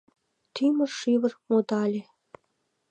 Тӱмыр-шӱвыр модале.